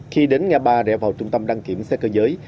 khi đến ngã ba rẽ vào trung tâm đăng kiểm xe cơ giới